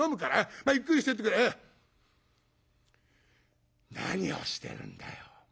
まあゆっくりしてってくれ。何をしてるんだよ。